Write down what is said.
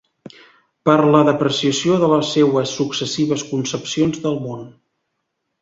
Per la depreciació de les seues successives concepcions del món.